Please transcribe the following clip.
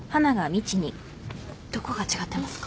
どこが違ってますか？